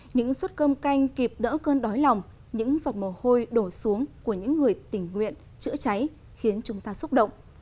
những suất cơm canh kịp đỡ cơn đói lòng những giọt mồ hôi đổ xuống của những người tình nguyện chữa cháy khiến chúng ta xúc động